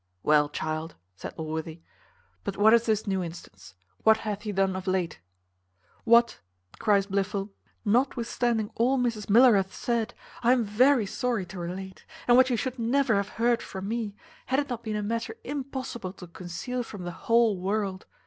"Well, child," said Allworthy, "but what is this new instance? What hath he done of late?" "What," cries Blifil, "notwithstanding all Mrs Miller hath said, I am very sorry to relate, and what you should never have heard from me, had it not been a matter impossible to conceal from the whole world.